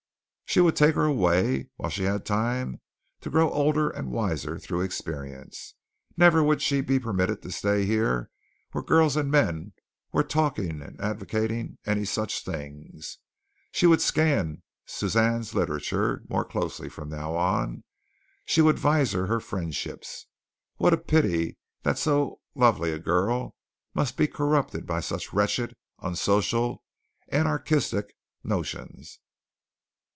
She would take her away while she had time, to grow older and wiser through experience. Never would she be permitted to stay here where girls and men were talking and advocating any such things. She would scan Suzanne's literature more closely from now on. She would viser her friendships. What a pity that so lovely a girl must be corrupted by such wretched, unsocial, anarchistic notions.